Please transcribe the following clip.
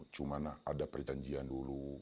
cuma ada perjanjian dulu